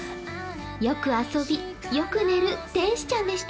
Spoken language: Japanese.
よく遊び、よく寝る天使ちゃんでした。